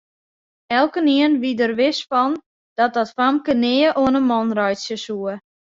Elkenien wie der wis fan dat dat famke nea oan 'e man reitsje soe.